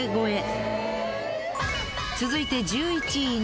続いて１１位に。